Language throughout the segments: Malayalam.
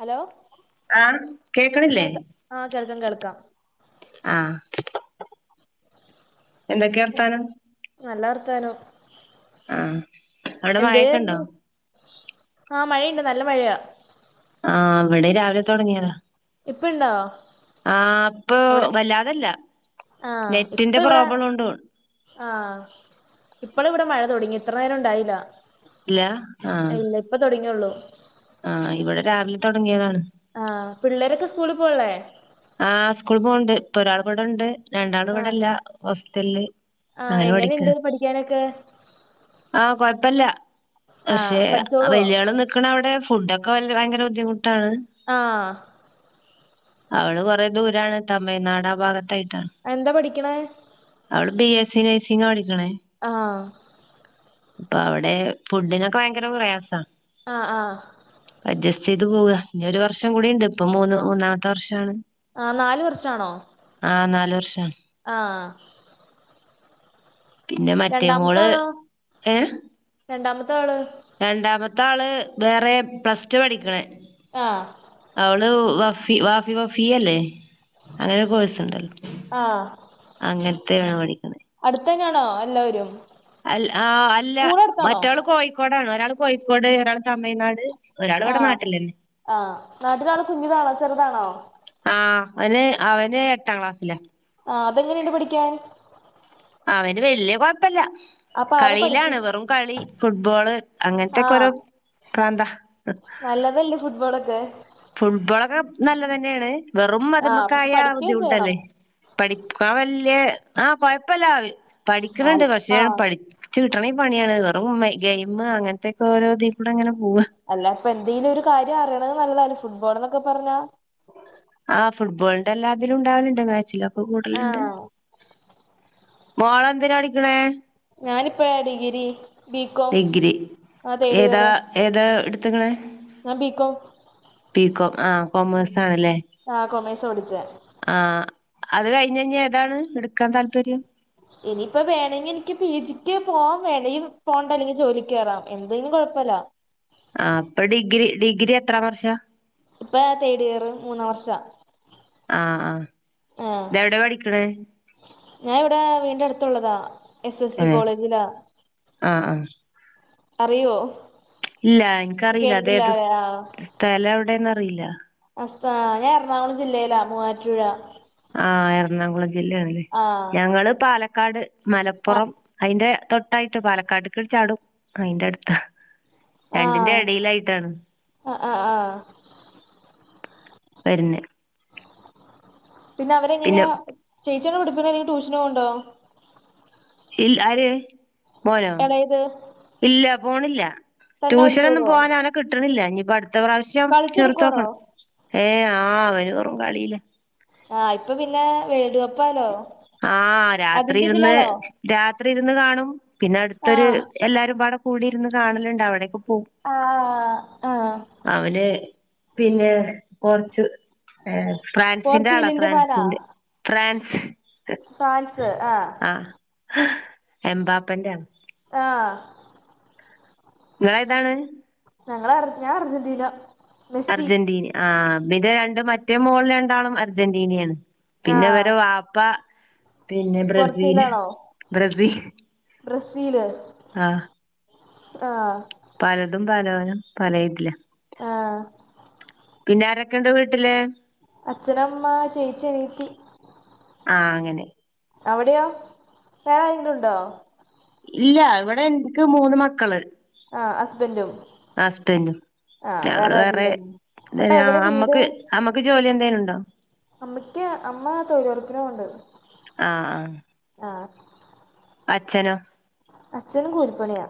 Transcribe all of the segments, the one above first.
ഹലോ ആ കേക്കണില്ലേ? കേൾക്ക ആ കേൾക്കാം കേൾക്കാം ആഹ് എന്തൊക്കെ വർത്താനം? നല്ല വർത്താനോ. ആഹ് അവിടെ മഴയൊക്കെ ഉണ്ടോ എന്തായിരുന്നു? ആഹ് മഴയുണ്ട് നല്ല മഴയാ ആഹ് അവിടെ രാവിലെ തുടങ്ങിയതാണ് ഇപ്പുണ്ടോ? ആ അപ്പൊ വല്ലാതല്ല ആ നെറ്റിന്റെ പ്രോബ്ലം ഉണ്ടോ? ആഹ് ഇപ്പോള ഇവിടെ മഴ തുടങ്ങി ഇത്ര നേരം ഉണ്ടായില്ല ഇല്ല ആഹ് ഇപ്പൊ തുടങ്ങിയള്ളൂ ആഹ് ഇവിടെ രാവിലെ തുടങ്ങിയതാണ് ആഹ് പിള്ളേരൊക്കെ സ്കൂളിൽ പോനില്ലേ? ആ സ്കൂൾ പോകണ്ട് ഇപ്പൊ ഒരാള് ഇവിടെണ്ട് രണ്ടാള് ഇവിടെല്ല ഹോസ്റ്റലില് ആഹ് അങ്ങനെ പഠിക്ക എങ്ങനെയുണ്ട് പഠിക്കാനൊക്കെ? ആഹ് കൊഴപ്പല്ല ആ പക്ഷെ പഠിച്ചോളുവോ വല്ലിയയാള് നിക്കണ അവിടെ ഫുഡൊക്കെ ഭയങ്കര ബുദ്ധിമുട്ടാണ് ആഹ് അവള് കുറെേ ദൂരാണ് തമഴനാട് ആ ഭാഗത്തായിട്ടാണ് എന്താ പഠിക്കണേ? അവള് ബി എസ് സി നഴ്സിംഗ് പഠിക്കിനെ. ആഹ് അപ്പൊ അവിടെ ഫുഡിനൊക്കെ ഭയങ്കര പ്രയാസമാണ് ആഹ് ആഹ് അഡ്ജസ്റ്റ് ചെയ്ത് പോവുക. ഇനി ഒരു വർഷം കൂടിയുണ്ട് ഇപ്പൊ മൂന്ന് മൂന്നാമത്തെ വർഷമാണ് ആഹ് നാല് വർഷാണോ? ആഹ് നാല് വർഷം. ആഹ് പിന്നെ മറ്റേ രണ്ടാമത്തെ മോള് ആളോ ഏഹ് രണ്ടാമത്തെ ആള് രണ്ടാമത്തെ ആള് വേറെ പ്ലസ് ടു പഠിക്കണേ ആഹ് അവള് ഹാഫ് വാഫി വഫീയ അല്ലേ അങ്ങനെ കോഴസ്ണ്ടല്ലോ ആ അങ്ങനത്തെ വേണ പഠിക്കുന്നത് അടുത്തതന്നെയാണോ എല്ലാവരും അഹ് ആഹ് അല്ല സ്കൂൾ അടുത്താണോ മറ്റാള് കോഴിക്കോടാണ് ഒരാൾ കോഴിക്കോട് ഒരാൾ തമിഴ്നാട് ഒരാള് ഇവിടെ ആഹ് നാട്ടിലന്നെ ആഹ് നാട്ടിനാള കുഞ്ഞിതാണോ ചെറുതാണോ ആ അവന് അവന് എട്ടാം ക്ലാസ്സിലെ ആ അതെങ്ങനെയുണ്ട് പഠിക്കാൻ അവന് വല്യ കൊഴപ്പല്ല അപ്പൊ ആരാ പഠിപ്പി കളിയിലാണ് വെറും കളി ഫുട്ബോള് അങ്ങനത്തൊക്കെ ആഹ് ഓരോ പ്രാന്താ നല്ലതല്ലേ ഫുട്ബോളൊക്കെ ഫുട്ബോളൊക്കെ നല്ലത്തന്നെയാണ് വെറും ആഹ് അതമൊക്കെ പക്ഷെ ആയ പഠിക്കുകയും ചെയ്യണം ബുദ്ധിമുട്ടല്ലേ പഠിക്ക വല്ലേ ആഹ് കൊഴപ്പല്ല പഠിക്കുന്നുണ്ട് ആഹ് കുറച്ചണം ആഹ് പഠി കുട്ടണിൽ പണിയാണ് വെറും ഗെയിം അങ്ങനത്തെൊക്കെ ഓരോ തിക്കൂടെ അങ്ങനെ പോവാ അല്ല ഇപ്പൊ എന്തെങ്കലും ഒരു കാര്യം അറിയണത് നല്ലതല്ലും ഫുട്ബോൾ എന്നൊക്കെ പറഞ്ഞാ ആഹ് ഫുട്ബോളിന്റെ എല്ലാതിലും ഉണ്ടാവലുണ്ട് മാച്ചിലൊക്കെ കൂടുതലുണ്ട് ആഹ് മോള എന്തിനാ അടിക്കണേ ഞാനിപ്പോ ഡിഗ്രി ബികോം ഡിഗ്രി ആഹ് ഏതാ തേടിയറ് ഏതാ എടുത്ത്ക്ക്ണെ ബികോം ആഹ് കോമേഴ്സ് ആണല്ലേ ആ കൊമേഴ്സാ പഠിച്ചേ ആഹ് അത് കഴിഞ്ഞ കഴിഞ്ഞ് ഏതാണ് എടുക്കാൻ താല്പര്യം ഇനിയിപ്പ വേണമെങ്കിൽ എനിക്ക് പി ജിക്ക് പോവാൻ വേണമേിൽ പോകണ്ടല്ലെങ്കിൽ ജോലി കയറാം എന്തങ്കിലും കുഴപ്പമില്ല ആഹ് അപ്പൊ ഡിഗ്രി ഡിഗ്രി എത്ര വർഷം ഇപ്പൊ തേഡ് ഇയർ മൂന്നാം വർഷമാ ആഹ് ആഹ് ഇതെവിടെ പഠിക്ക്ണേ ഞാൻ ഇവിടെ വീടിന്റെ അടുത്തുള്ളതാ എസ് എസ് വി തന്നെ കോളേജിലാ ആഹ് ആഹ് അറിയുവോ ഇല്ല കേട്ടട്ടില്ല ആഹ് തേലം എവിടെന്ന്റിയില്ല അത ഞാൻ എറണാകുളം ജില്ലയിലാ മൂവാറ്റുഴ ആഹ് എറണാകുളം ജില്ലയാണല്ലേ ആഹ് ഞങ്ങള് പാലക്കാട് ആ മലപ്പുറം അതിന്റെ തൊട്ടായിട്ട് പാലക്കാട് ക ചാടും അയിന്റെ അടുത്ത് രണ്ടിന്റെ ആഹ് ഇടയിലായിട്ടാണ് ആ ആ ആ വരുന്നേ പിന്നെ അവരെങ്ങനെയാ ചേച്ചിയാണ് പിടിപ്പ അല്ലെങ്കിൽ ട്യൂഷന് കൊണ്ടോ ഇ ആര് മോനോ എളയത് ഇല്ല പോണില്ല തന്നെ ട്യൂഷനൊന്നും പഠിച്ചോളോ പോവാനൻ അവനെ കിട്ടണില്ല ഇനിയിപ്പ അടുത്ത പ്രാവശ്യം ചേർത്ത് കളിച്ചെടുക്കുവാണോ നോക്കണം ഏഹ് ആഹ് അവന് കുറും കളില്ല ആഹ് ഇപ്പൊ പിന്നെ വേടുകപ്പല്ലോ ആഹ് രാത്രി ഇരുന്ന് രാത്രി ഇരുന്ന് കാണും പിന്നെ അടുത്തൊരു ആഹ് എല്ലാരും അവിടെ കൂടിരുന്ന് കാണലുണ്ട് അവിട ആഹ് ആഹ് അവര് പിന്നെ കൊറച്ച് ഏഹ് ഫ്രാൻസിന്റെ ആളാ പോർച്ചുഗലിന്റെ ഫാനാ ഫ്രാൻസിന്റെ ഫ്രാൻസ് ഫ്രാൻസ് ആഹ് ആഹ് എമ്പാപ്പന്റെ ആഹ് നിങ്ങളെ ഇതാണ് ഞങ്ങള് ഞാൻ അർജന്റീന മെസ്സി അർജന്റീന ആഹ് പി രണ്ട് മറ്റേ മോൾ രണ്ടാളും അർജന്റീനയാണ് പിന്നെ ആഹ് വര വാപ്പ പിന്നെ ബ്രസീല് പോർച്ചുഗലാണോ ബ്രസീൽ ബ്രസീല് ആഹ് ആഹ് പലതും പലനും പല ഇതില്ല ആഹ് പിന്നെ ആരൊക്കെയണ്ട് വീട്ടില് അച്ഛനമ്മ ചേച്ചിനീത്തി ആഹ് അങ്ങനെ അവിടെയോ വേറെ ആരെങ്കിലും ഉണ്ടോ ഇല്ല ഇവിടെ ഇൻക്ക് മൂന്ന് മക്കള് ആഹ് ഹസ്ബന്റും അസ്ബന്റും ആഹ് വേറെരില്ല അപ്പൊ എവിടെ വീട് ക്ക് ജോലി എന്തേലും ഉണ്ടോ അമ്മക്ക് അമ്മ തൊഴുറപ്പിന് പോവ്ണ്ട് ആഹ് ആഹ് ആഹ് അച്ഛനോ. അച്ഛനും കൂലീപ്പണിയാ.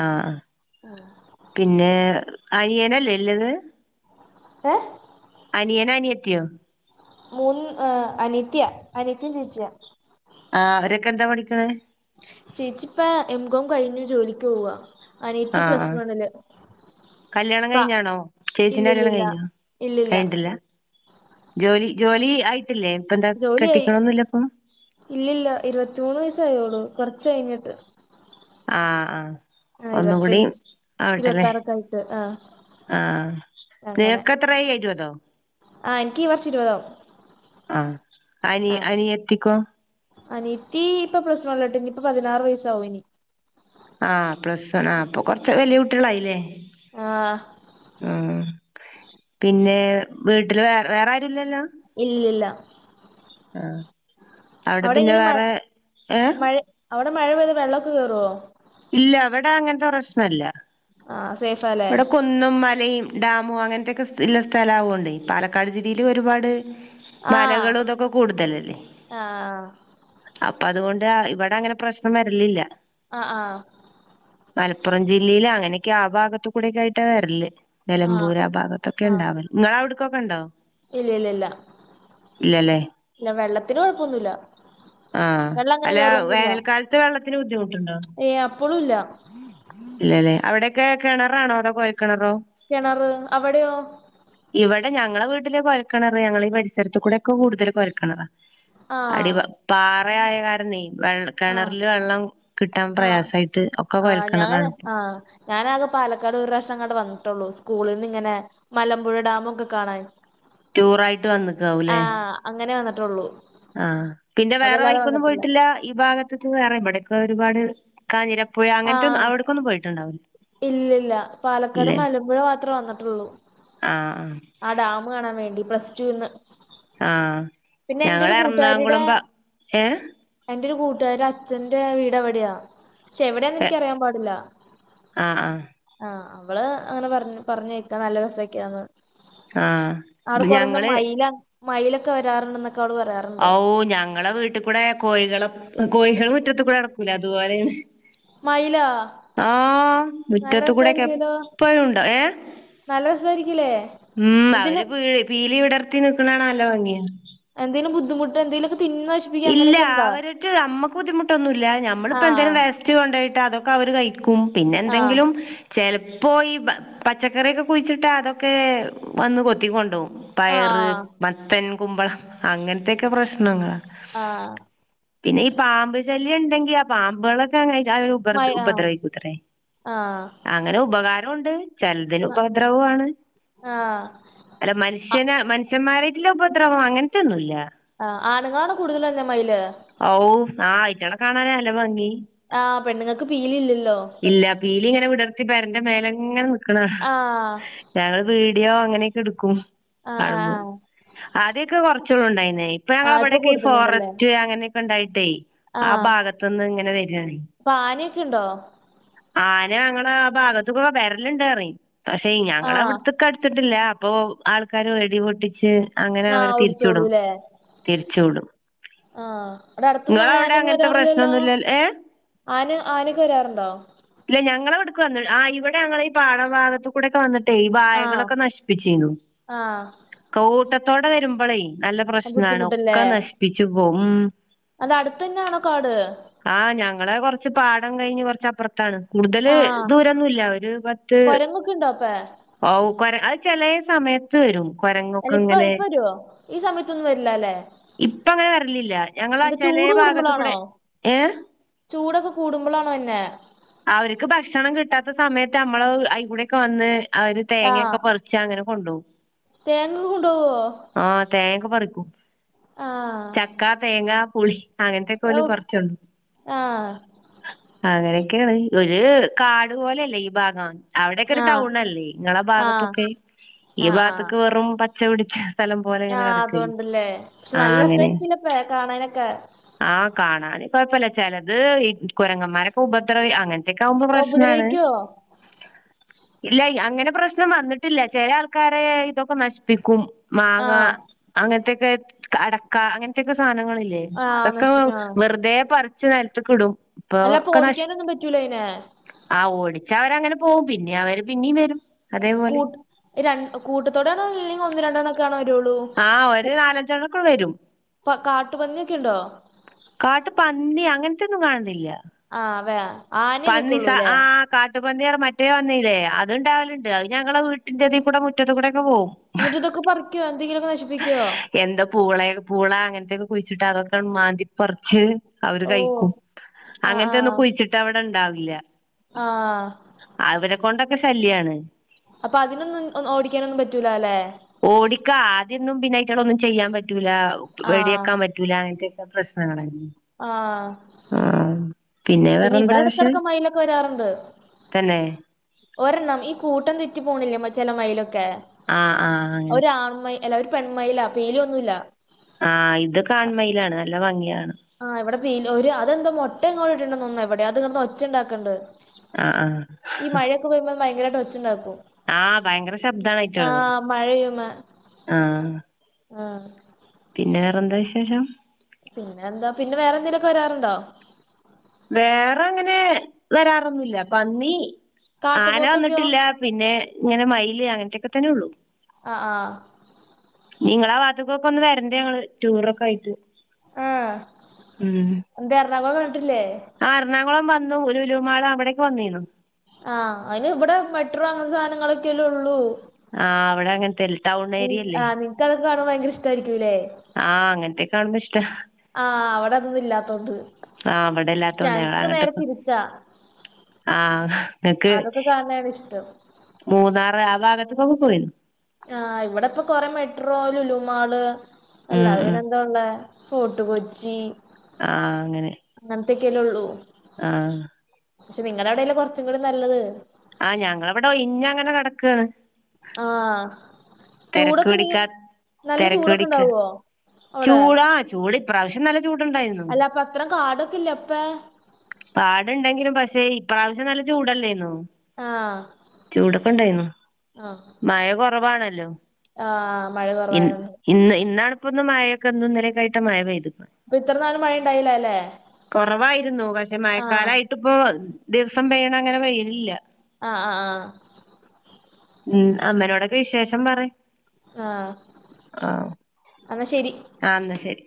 ആഹ് ആഹ് പിന്നെ അനിയനല്ലേ ഇല്ലത് ഏഹ് അനിയൻ അനിയത്തിയോ. മൂന്ന് അനിത്യ അനിത്യയും ചേച്ചിയ. ആഹ് അവരൊക്കെ എന്താ പഠിക്ണ്. ചേച്ചിപ്പൊ എംകോം കഴിഞ്ഞു ജോലിക്ക് പോവാ അനീയത്തി ആഹ് പ്ലസ് ആഹ് വണ്ണില്. കല്യാണം ക കഴിഞ്ഞാണോ ചേച്ചിന്റെ കല്യാണം ഇല്ലില്ലില്ല കഴിഞ്ഞോ ഇല്ലില്ല കഴിഞ്ഞട്ടില്ല. ജോലി ജോലി ആയിട്ടില്ലേ ഇപ്പ എന്താ കെട്ടിക്കണന്നില്ല ഇപ്പോ. ഇല്ലല്ല ഇരുപത്തിമൂന്ന് വയസ്സ് ആയോള്ളൂ കൊറച്ച കഴിഞ്ഞിട്ട്. ആഹ് ആഹ് ആ ഒന്നും കൂടി ഇരുപത്തഞ്ച് ആവട്ടല്ലേ ഇരുപത്താറൊക്കെ ആയിട്ട് ആ ആഹ് തേക്ക് എത്ര ആയി ഇരുബതോ. ആഹ് എനിക്ക് ഈ വർഷം ഇരുപതാവും. ആഹ് അനി അനിയത്തിക്കോ? അനിത്തി ഇപ്പൊ പ്ലസ് വണ് ലോട്ട് ഇനി ഇപ്പൊ പതിനാറ് വയസ്സാവും ഇനി. ആഹ് പ്ലസ് വൺ ആഹ് അപ്പൊ കൊറച്ച് വലിയ കുട്ട്യാളായില്ലേ. ആ ഉമ് പിന്നെ വീട്ടില് വേ വേറെ ആരുല്ലല്ലോ. ഇല്ലില്ല. ആഹ് അവിടെ പിന്നെ എങ്ങനെ മഴ വേറെ ഏഹ്. മഴ അവിടെ മഴ പെയ്ത് വെള്ളൊക്കെ കേറോ. ഇല്ല ഇവിടെ അങ്ങനത്തെ പ്രശ്നല്ല. ആഹ് സേഫാല്ലേ. ഇവിടെ കുന്നും മലയും ഡാമും അങ്ങനത്തെക്കെ ഉള്ള സ്ഥലവോണ്ട് പാലക്കാട് ജില്ലില് ഒരുപാട്. ആ മലകളും ഇതൊക്കെ കൂടുതലല്ലേ. ആ അപ്പൊ അതു കൊണ്ട് ഇവിടെ അങ്ങനെ പ്രശ്നം വരലില്ല. ആഹ് ആഹ് മലപ്പുറം ജില്ലില് അങ്ങനെയൊക്കെ ആ ഭാഗത്ത കൂടെക്കെ ആയിട്ടാ വര്ല്. നിലമ്പൂര് ആ ഭാഗത്തൊക്കെ ആ ഉണ്ടാവല് നിങ്ങള അവിട് ക്കൊക്കെ ഉണ്ടോ. ഇല്ല ഇല്ല ഇല്ല ഇല്ല വെള്ളത്തിന് കൊഴപ്പൊന്നുല്ല. ആഹ് വെള്ളം അങ്ങനെ അല്ല വേനൽക്കാലത്ത് വെള്ളത്തിന് ബുദ്ധിമുട്ടുണ്ടോ? ഏഹ് അപ്പളും ഇല്ല. ഇല്ലല്ലെ അവിടെയൊക്കെ കെണറാണോ അതോ കോഴൽ കെണറോ. കെണറ് അവിടെയോ? ഇവിടെ ഞങ്ങളെ വീട്ടില് കൊയൽ കെണറ് ഞങ്ങളീ പരിസരത്ത് കൂടെ ഒക്കെ കൂടുതൽ കൊയൽകെണറാ. അടി ആഹ് പാറ ആയ കാരണേ വെ ആഹ് കിണറില് വെള്ളം കിട്ടാൻ ആഹ് പ്രയാസായിട്ട് ഒക്കെ കൊയൽ ആഹ് ഞാന് കിണറാണ്പ്പൊ. ആഹ് ഞാനാകെ പാലക്കാട് ഒരു പ്രാവശ്യം എങ്ങാട് വന്നിട്ടുള്ളൂ സ്കൂളിന്ന് ഇങ്ങനെ മലമ്പുഴ ഡാമ് ഒക്കെ കാണാൻ. ട്യൂർ ആയിട്ട് വന്നിക്കാവൂല്ലേ. ആഹ് അങ്ങനെ വന്നിട്ടൊള്ളൂ. ആഹ് പിന്നെ വേറെ വൈക്കൊന്നും പോയിട്ടില്ല ഈ ഭാഗത്ത് വേറെ ഇവിടൊക്കെ ഒരുപാട്. കാഞ്ഞിരപ്പുഴ അങ്ങനത്തെ ആഹ് അവിടക്കൊന്നും പോയിട്ടുണ്ടാവൂലേ ഇല്ലില്ല പാലക്കാട് മലമ്പുഴ മാത്രേ വന്നിട്ടുള്ളൂ. ആഹ് ആ ഡാം കാണാൻ വേണ്ടി പ്ലസ്ടുന്ന് ആഹ് ഞങ്ങ കൂട്ടുകാരിയുടെ എറണാകുളം ഭാ ഏഹ് എന്റെ ഒരു കൂട്ടുകാരൻ അച്ഛന്റെ വീട് അവിടെയാ പക്ഷെ എവിടാന്ന് എനിക്കറിയാൻ പാടുല. ആഹ് ആഹ് ആഹ് അവള് അങ്ങനെ പറഞ്ഞു പറഞ്ഞ ഇക്കാ നല്ല രസൊക്കെയാന്ന് ആഹ് അവിടെ കൊറെന്താ ഞങ്ങള് മയിലാ മയിലൊക്കെ വരാറുണ്ട്ന്നൊക്കെ അവള് പറയാറു ഔ ഞങ്ങളെ വീട്ടി കൂടെ കോയികള് കോയികള് മുറ്റത്ത് കൂടെ നടക്കൂലെ അതുപോലെയാണ് മയിലാ ആ നല്ല മുറ്റത്ത് കൂടൊക്കെ രസായിരിക്കൂലോ എപ്പഴും ഉണ്ടാ ഏഹ് നല്ല രസായിരിക്കൂലേ ഉം അവര് എന്തേലും പീലി വിടർത്തി നിക്കുന്ന കാണാൻ നല്ല ഭംഗിയാ എന്തേലും ബുദ്ധമുട്ട് എന്തേലുക്കെ തിന്ന് നശി ഇല്ല അവര്ക്ക് നമ്മക്ക് ബുദ്ധിമുട്ടൊന്നുമില്ല ഞമ്മളിപ്പോ എന്തേലും ആഹ് വേസ്റ്റ് കൊണ്ടോയിട്ട അതൊക്കെ അവര് കഴിക്കും ക്കും പിന്നെ ആഹ് എന്തെങ്കിലും ചെലപ്പോ ഈ പച്ചക്കറിയൊക്കെ കുഴിച്ചിട്ടാ അതൊക്കെ വന്ന് കൊത്തി കൊണ്ടോവും പയറ് ആഹ് മത്തൻ കുമ്പളം അങ്ങനത്തൊക്കെ പ്രശ്നങ്ങളാ ആഹ് പിന്നെ ഈ പാമ്പ് ശല്യം ഇണ്ടെങ്കി ആ പാമ്പുകളൊക്കെ അങ്ങ [unintelligible] ഉപ മയി ആഹ് ഉപദ്രവിക്കത്രേ ആഹ് അങ്ങനെ ഉപകാരം ഉണ്ട് ചെലദില് ഉപദ്രവും ആണ് ആഹ് അല്ല ആഹ് മനുഷ്യന് മനുഷ്യന്മാരായിട്ടുള്ള ഉപദ്രവോ അങ്ങനത്തൊന്നുംല്ല ആ ആണുങ്ങളാണ് കൂടുതല് വരുന്ന മയില് ഔ ആ ആയിറ്റകളെ കാണാനാ നല്ല ഭംഗി ആഹ് പെണ്ണുങ്ങൾക്ക് പീലി ഇല്ലല്ലോ ഇല്ല പീലി ഇങ്ങനെ വിടർത്തിപ്പെരന്റെ മേലെ ഇങ്ങനെ നിക്കണ് ആഹ് ഞങ്ങള് വീഡിയോ അങ്ങനെയൊക്കെ എടുക്കും ആഹ് കാണുമ്പോ ആഹ് ആദ്യൊക്കെ കുറചോള്ളൂ ഉണ്ടായിനേ. ആ ഇപ്പൊ കുട് ഫോറസ്റ്റ് അങ്ങനെയൊക്കെ ഉണ്ടായിട്ടേ ആ ആഹ് ഭാഗത്ത് നിന്ന് ഇങ്ങനെ വരുവാണെ അപ്പൊ ആനയൊക്കെ ഉണ്ടോ ആന ഞങ്ങളെ ആ ഭാഗത്ത്പ്പോ വരലിണ്ടറയും പക്ഷെ ഞങ്ങള് ആഹ് അവിടത്തൊക്കെ അടുത്തിട്ടില്ല അപ്പൊ ആൾക്കാര് വെടി പൊട്ടിച്ച് അങ്ങനെ ആഹ് അവരെ തിരിച്ചുവിടും ഓടിച്ചോളൂല്ലേ ആഹ് ഇവിടെ അടുത്തന്നും അങ്ങനെ നിങ്ങളവിടെ ആനെന്നും അങ്ങനത്തെ വരാറില്ലല്ലോ പ്രശ്നൊന്നുമില്ലല്ലോ ഏ അന് ആനക്കെ വരാറുണ്ടോ ഇല്ല ഞങ്ങളെ ഇവിടുക്ക് വന്ന ആ ഇവിടെ ഞങ്ങളെ ഈ പാടം ഭാഗത്ത് കൂടെ ഒക്കെ വന്ന ഈ ആഹ് വായകളൊക്കെ നശിപ്പിച്ചേനു ആഹ് കൂട്ടത്തോടെ വരുമ്പളേ നല്ല പ്രശ്നാണ് ബുദ്ധിമുട്ടല്ലേ ഒക്കെ നശിപ്പിച്ചു പോകും അത് അടുത്തന്നാണോ കാട് ആഹ് ഞങ്ങടെ കൊറച്ച് പാടം കഴിഞ്ഞ് കൊറച്ചപ്പുറത്താണ് കൂടുതല് ആഹ് ദൂരൊന്നുംല്ല ഒരു പത്ത് കൊരങ്ങൊക്കെ ഉണ്ടോ അപ്പ ഓ കൊര അത് ചെല സമയത്ത് വരും കൊരങ്ങൊക്കെ ഇങ്ങനെ രുവോ ഈ സമയത്തൊന്നും വരില്ലാല്ലേ ഇപ്പ അങ്ങനെ വരലില്ല ഞങ്ങള ചലേ ഭാഗത്ത് കൂടെ കൂടുമ്പളാണോ ഏഹ് ചൂടൊക്കെ കൂടുമ്പോളാണോ വര്‌നേ അവർക്ക് ഭക്ഷണം കിട്ടാത്ത സമയത്ത് നമ്മള് അയ്കൂടെക്കെ വന്ന് അവര് തേങ്ങയൊക്കെ പറി ച്ചാ അങ്ങനെ കൊണ്ടോവും. തേങ്ങൊക്ക കൊണ്ടോവോ? ആഹ് തേങ്ങക്കെ പറിക്കും. ആഹ് ചക്ക തേങ്ങ പുളി അങ്ങനത്തെക്കെ ഔ ഓല് പർച്ചൊ [unintelligible] ആഹ് അങ്ങനെയൊക്കേണ്. ഒരു കാട് പോലെയല്ലേ ഈ ഭാഗം അവിടൊക്കെ ഒരു ആഹ് ടൗണല്ലേ ഇങ്ങളെ ആഹ് ഭാഗത്തൊക്കെ. ഈ ആഹ് ആഹ് ഭാഗത്തക്ക് വെറും പച്ച പിടിച്ച സ്ഥലം പോലെ ഇങ്ങനെ ആഹ് കിടക്കല്ലേ അതൊണ്ടല്ലേ പക്ഷെ ആഹ് നല്ല അങ്ങനെ രസായിരിക്കില്ലപ്പ കാണാനൊക്കെ ആഹ് കാണാന് കൊഴപ്പല്ല. ചെലത് ഈ കുരങ്ങമാരെക്കെ ഉപദ്രവി അങ്ങന ഇതെക്കെ ആവുമ്പോ ഓ, പ്രശ്നാണ്. ഉപദ്രവിക്കോ ഇല്ല അങ്ങനെ പ്രശ്നം വന്നിട്ടില്ല. ചെല ആൾക്കാരെ ഇതൊക്കെ നശിപ്പിക്കും. മാങ്ങ ആഹ് അങ്ങനത്തെക്കെ അടക്ക അങ്ങനത്തെക്കെ സാനങ്ങളില്ലേ. ആഹ് അതൊക്കെ വെ നശിപ്പിക്കും ആഹ് വെറുതേ പറിച്ച് നെലത്ത്ക്കിടും അല്ല അപ്പൊ ഓടിക്കാനൊന്നും പറ്റൂലയിനേ ആഹ് ഓടിച്ചാ അവരങ്ങനെ പോവും. പിന്നെ അവര് പിന്നീം വരും അതേപോലെ രൺ കൂട്ടത്തോടെയാണോ അല്ലെ ഒന്ന് രണ്ടെണ്ണോക്കെ ആണോ വരുഒള്ളൂ. ആഹ് ഒരു നാലഞ്ചണ്ണക്കാണ് വെരും പ്പ കാട്ടുപന്നിയൊക്കെ യുണ്ടോ? കാട്ട് പന്നി അങ്ങനത്തെ ഒന്നും കാണണില്ല. ആഹ് വേ ആനി ഇതൊക്കെ ഉള്ളൂ ല്ലേ കാട്ടുപന്നിയാണ് മറ്റേ വന്നില്ലേ അതുണ്ടാവലുണ്ട് അത് ഞങ്ങള വീട്ടിന്റതീ കൂടെ മുറ്റത്ത് കൂടെക്കെ പോവും എന്നിട്ട് ഇതൊക്കെ പറിയ്ക്കോ എന്തെങ്കിലൊക്കെ നശിപ്പിക്കുവോ എന്ത പൂവളേ [unintelligible] പൂള അങ്ങനത്തെയൊക്കെ കുഴിച്ചിട്ടാ അതൊക്കെ ആണ്ട് മാന്തിപ്പറിച്ച് അവര് ഓ കയിക്കും. ആ അങ്ങനത്തെ ഒന്നും കുഴിച്ചിട്ടാ ഇവടെ ഉണ്ടാവില്ല. ആഹ് അവരെ കൊണ്ടൊക്കെ ശല്യാണ്. അപ്പൊ അതിനൊന്നും ഒ ഓടിക്കാനൊന്നും പറ്റൂലാ ല്ലേ ഓടിക്കാ ആദ്യൊന്നും പിന്നയിറ്റളേ ഒന്നും ചെയ്യാൻ പറ്റൂലാ ആ വെടി വെക്കാൻ പ റ്റൂലാ അങ്ങനത്തെക്കെ പ്രശ്നങ്ങളേനി. ആ ഉം ആഹ് പിന്നെ വേറെ എന്താ ഇവിടെ വിശേ ഇടക്കിടക്ക് മയിലൊക്കെ വരാറുണ്ട് തന്നേ ഒരെണ്ണം ഈ കൂട്ടം തെറ്റി പോണില്ലേ മ ചെല മയിലൊക്കെ ആഹ് ആഹ് അങ്ങനെ ഒരാൺ മയി എല്ല ഒര് പെൺമയിലാ പീലിയൊന്നുല്ലാ. ആഹ് ഇതൊക്കെ ആൺമയിലാണ് നല്ല ഭംഗിയാണ് ആഹ് ഇവിടെ പീലി ഒരു അതെന്തോ മൊട്ട എങ്ങോ ഇട്ടിട്ടുണ്ടന്ന് തോന്നുന്നു എവിടെയാ അത് കെടന്ന് ഒച്ച ഒണ്ടാക്കണ്ട് ആഹ് ആഹ് ഇപ്പം [unintelligible] ഭയങ്കരായിട്ട് ഒച്ച ഉണ്ടാക്കും ആഹ് ഭയങ്കര ആ ശബ്ദാണയിറ്റാളത് മഴയും ആഹ് ആ പിന്നെ വേറെന്താ വിശേഷം? പിന്നെ എന്താ, പിന്നെ വേറെന്തേലും ഒക്കെ വരാറുണ്ടോ? വേറെ അങ്ങനേ വെരാറൊന്നുല്ല പന്നീ ആന കാട്ടുപോത്തൊക്കെയോ വന്നിട്ടില്ലാ പിന്നേ ഇങ്ങനെ മയില് അങ്ങൻത്തെക്കെ തന്നെ ഉള്ളു ആഹ് ആഹ് ഇനി ങ്ങളാ ഭാഗത്ത് ക്കൊക്കെ ഒന്ന് വരണ്ട് ഞങ്ങള് ടൂർ ഒക്കെ ആയിട്ട് ഉം എന്തെ എർണാകൊളം കണ്ട്ട്ട് ഇല്ലെ? ആഹ് എർണാകൊളം വന്നു ലുലു മാള് അവടെക്കെ വന്നിന്നു ആഹ് അയിന് ഇവെടെ മെട്രോ അങ്ങൻത്തെ സാനങ്ങളൊക്കെ അല്ലെ ഒള്ളു ആഹ് അവടെ അങ്ങെൻത്തെ അല്ലെ? ടൗൺ ഏരിയ അല്ലെ? ഇക്ക് അതൊക്കെ കാണുമ്പം ഭയങ്കര ഇഷ്ടായിരിക്കും ലെ? ആഹ് അങ്ങെൻത്തെ കാണുമ്പം ഇഷ്ടാ ആഹ് അവിടെ അതൊന്നും ഇല്ലാത്തോണ്ട് ആഹ് ഇവെടെ പക്ഷെ ഇല്ലാത്തോണ്ടെ ഞങ്ങെൾ ഞങ്ങക്ക് നേരെ അങ്ങട്ടൊക്കെ തിരിച്ചാ ആഹ് ങ്ങക്ക് അതൊക്കെ കാണണാണ് ഇഷ്ടം മൂന്നാറ് ആ ഭാഗത്ത് ക്കൊക്കെ പോയിന്നു ആഹ് ഇവെടെ ഇപ്പം കൊറെ മെട്രോ ലുലുമാൾ ഉം അല്ലാതെ ഉം പിന്നെ എന്താ ഉള്ളെ? ഫോട്ട് കൊച്ചി ആഹ് അങ്ങനെ അങ്ങെൻത്തെക്കെ അല്ലെ ഒള്ളു ആഹ് പക്ഷെ നിങ്ങളെ അയുടെ അല്ലെ കൊർച്ചും കൂടി നല്ലെത് ആഹ് ഞങ്ങളെ ഇവെടെ ഒഴിഞ്ഞ് അങ്ങനെ കട്ക്കാണ്. ആഹ് തെരക്ക് ചൂടൊക്കെ നീ പിടിക്കാ നല്ല തെരക്ക് ചൂടൊക്കെ പിടിക്കാ ഇണ്ടാവോ അയുടെ ചൂടാ ചൂട് ഇപ്രാവ്ശ്യം നല്ല ചൂട് ഇണ്ടായിരുന്നു. അപ്പ അത്രം കാടൊക്കെ ഇല്ലേ അപ്പെ പാടം ഇണ്ടെങ്കിലും പക്ഷെ ഇപ്രാവ്ശ്യം നല്ല ചൂട് അല്ലെയ്ന്നോ? ആഹ് ചൂടൊക്കെ ഇണ്ടെയ്ന്നു. ആഹ് മഴ കൊറവാണല്ലോ? ആഹ് മഴ കൊറവായോണ്ട് ഇന്ന് ഇന്നാണ് ഇപ്പൊ ഒന്ന് മഴയൊക്കെ ഇന്നും ഇന്നെലിം ഒക്കെ ആയിട്ടാ മഴ പെയ്ത്ക്ക്ണെ അപ്പൊ ഇത്ര നാളും മഴ ഉണ്ടായില്ല അല്ലേ കൊവായിരുന്നു പക്ഷെ ആഹ് മഴക്കാലായി ട്ട് ഇപ്പോ ദിവ്സം പെയ്യ്ണ അങ്ങനെ പെയ്യെൽ ഇല്ലാ ആഹ് ആഹ് ആഹ് ഉം അമ്മനോടൊക്കെ വിശേഷം പറി ആഹ് അന്നാ ശരി ആഹ് ഇന്നാ ശരി